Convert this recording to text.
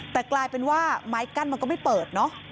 แต่กลายเป็นว่าไม้กั้นมันก็ไม่เปิดเนอะ